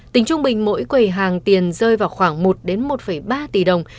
tính trung bình mỗi quầy hàng tiền rơi vào khoảng một một ba tỷ đồng